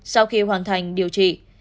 sau khi hoàn thành điều trị